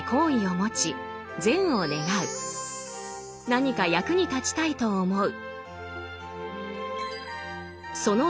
何か役に立ちたいと思う。